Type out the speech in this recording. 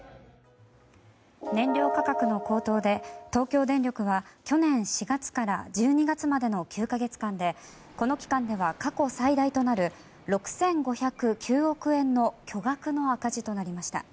燃料価格の高騰で東京電力は去年４月から１２月までの９か月間でこの期間では過去最大となる６５０９億円の巨額の赤字となりました。